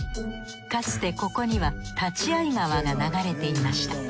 かつてここには立会川が流れていました。